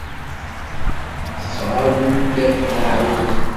Teffeɣ-awen-d teεrurt.